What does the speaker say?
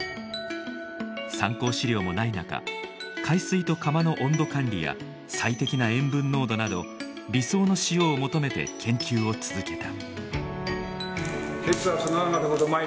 参考資料もない中海水と窯の温度管理や最適な塩分濃度など理想の塩を求めて研究を続けた。